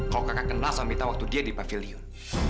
kalau kakak kenal sama mita waktu dia di pavilion